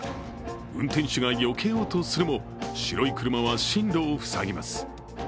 運転手がよけようとするも白い車は進路を塞ぎます。